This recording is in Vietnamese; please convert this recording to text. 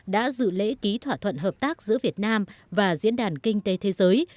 đã dự lễ ký thỏa thuận hợp tác giữa việt nam và diễn đàn kinh tế thế giới